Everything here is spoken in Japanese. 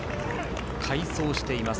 快走しています